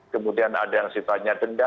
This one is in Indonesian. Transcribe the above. kemudian ada yang sifatnya denda